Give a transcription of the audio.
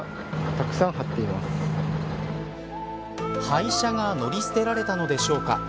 廃車が乗り捨てられたのでしょうか。